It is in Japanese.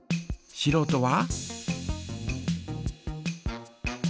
しろうとは？